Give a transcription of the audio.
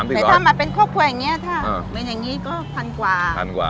คนที่มาทานอย่างเงี้ยควรจะมาทานแบบคนเดียวนะครับ